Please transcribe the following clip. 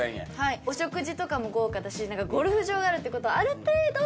お食事とかも豪華だしゴルフ場があるってことはある程度。